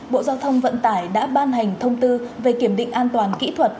bộ giao thông vận tải đã ban hành thông tư về kiểm định an toàn kỹ thuật